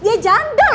dia janda mas